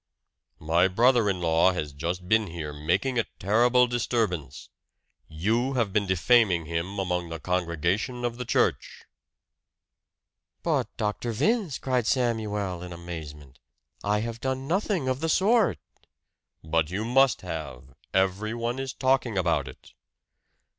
"My brother in law has just been here, making a terrible disturbance. You have been defaming him among the congregation of the church!" "But, Dr. Vince!" cried Samuel, in amazement. "I have done nothing of the sort!" "But you must have! Everyone is talking about it!"